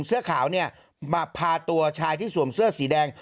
เสื้อขาวเนี่ยมาพาตัวชายที่สวมเสื้อสีแดง